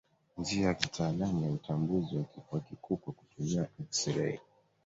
Njia ya kitaalamu ya utambuzi wa kifua kikuu kwa kutumia eksirei